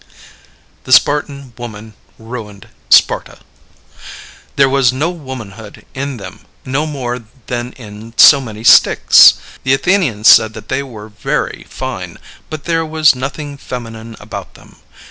The Spartan Woman Ruined Sparta. There was no womanhood in them, no more than in so many sticks. The Athenians said that they were very fine, but there was nothing feminine about them.